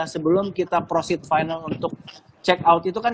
sebelum kita profit final untuk check out itu kan